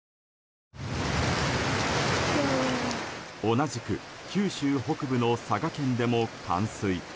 同じく九州北部の佐賀県でも冠水。